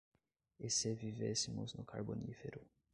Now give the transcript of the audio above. E se vivêssemos no carbonífero?